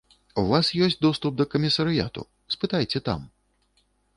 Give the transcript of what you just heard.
У вас ёсць доступ да камісарыяту, спытайце там.